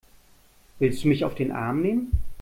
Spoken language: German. Willst du mich auf den Arm nehmen?